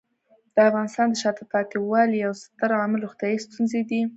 د افغانستان د شاته پاتې والي یو ستر عامل روغتیايي ستونزې دي.